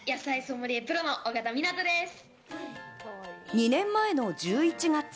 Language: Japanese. ２年前の１１月。